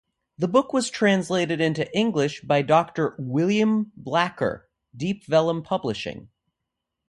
The book was translated into English by Doctor Uilleam Blacker ("Deep Vellum Publishing)".